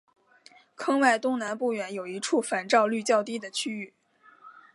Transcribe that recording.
坑外东南不远有一处反照率较低的区域。